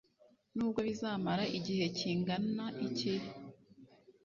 Nubwo bizamara igihe kingana iki